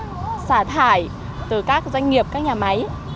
hay là vấn đề về việc xả thải từ các doanh nghiệp các nhà máy